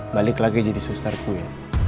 balik lagi jadi susterku ya